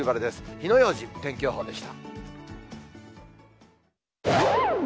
火の用心、天気予報でした。